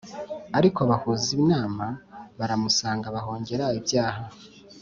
Ariko bahuza inama baramusanga bahongera ibyaha